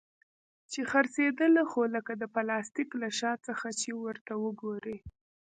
چې څرخېدله خو لکه د پلاستيک له شا څخه چې ورته وگورې.